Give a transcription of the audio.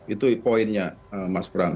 itu poinnya mas bram